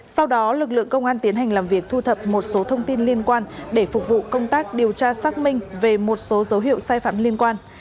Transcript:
sau đó lực lượng công an tiến hành làm việc thu thập một số thông tin liên quan để phục vụ công tác điều tra xác minh về một số dấu hiệu sai phạm liên quan